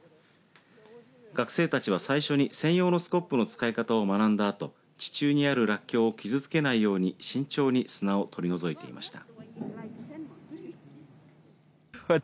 学生たちは最初に専用のスコップの使い方を学んだあと地中にあるらっきょうを傷つけないように慎重に砂を取り除いていました。